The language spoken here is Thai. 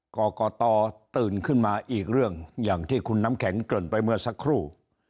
กรกตตื่นขึ้นมาอีกเรื่องอย่างที่คุณน้ำแข็งเกริ่นไปเมื่อสักครู่